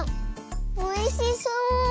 おいしそう！